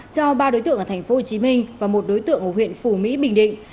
cho ba đối tượng ở thành phố hồ chí minh và một đối tượng ở huyện phủ mỹ bình định